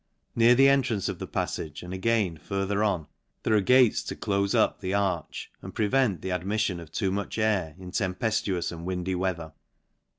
Near the entrance of the paffage, and again further on, there are gates to clofe up the arch, and prevent the admiffion of too much air in tempefhious and windy weather.